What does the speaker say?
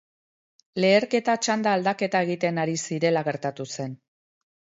Leherketa txanda aldaketa egiten ari zirela gertatu zen.